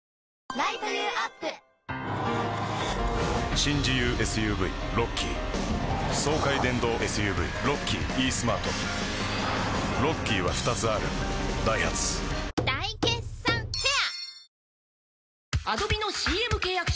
新自由ＳＵＶロッキー爽快電動ＳＵＶロッキーイースマートロッキーは２つあるダイハツ大決算フェア